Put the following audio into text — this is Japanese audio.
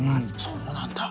そうなんだ。